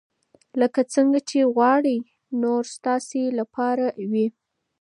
لکه څنګه چې غواړئ نور ستاسې لپاره وي.